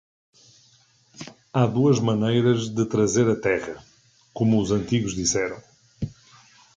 Há duas maneiras de trazer a terra, como os antigos disseram.